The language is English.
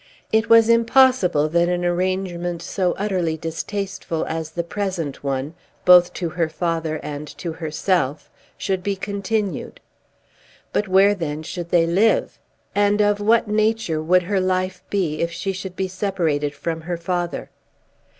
It was impossible that an arrangement so utterly distasteful as the present one, both to her father and to herself, should be continued. But where then should they live, and of what nature would her life be if she should be separated from her father?